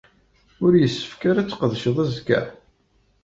Ur yessefk ara ad tqedceḍ azekka?